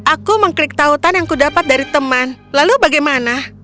aku mengklik tautan yang kudapat dari teman lalu bagaimana